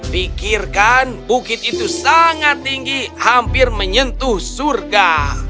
pikirkan bukit itu sangat tinggi hampir menyentuh surga